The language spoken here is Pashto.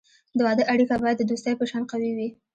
د واده اړیکه باید د دوستی په شان قوي وي.